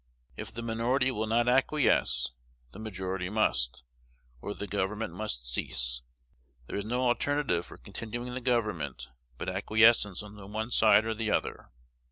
If the minority will not acquiesce, the majority must, or the government must cease. There is no alternative for continuing the government but acquiescence on the one side or the other.